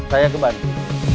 saya ke bandung